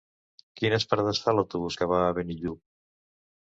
Quines parades fa l'autobús que va a Benillup?